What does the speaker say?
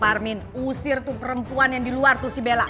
pak armin usir tuh perempuan yang di luar tuh si bella